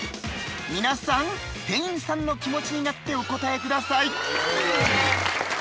皆さん店員さんの気持ちになってお答えください